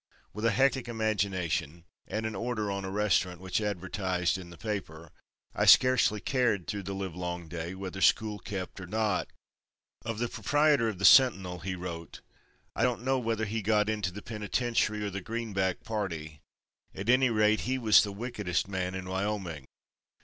With a hectic imagination and an order on a restaurant which advertised in the paper I scarcely cared through the livelong day whether school kept or not." Of the proprietor of the Sentinel he wrote: "I don't know whether he got into the penitentiary or the Greenback party. At any rate, he was the wickedest man in Wyoming.